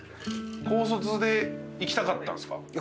高卒でいきたかったんすか？